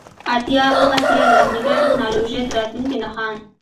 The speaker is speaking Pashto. اتیا اوه اتیا د امریکا د ټیکنالوژۍ د راتلونکي نښان